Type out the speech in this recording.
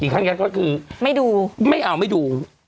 ครั้งนั้นก็คือไม่ดูไม่เอาไม่ดู